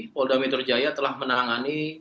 polda metro jaya telah menangani